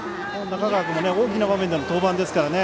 中川君も大きな場面での登板ですからね